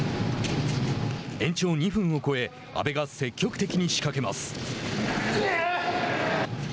延長２分を超え阿部が積極的に仕掛けます。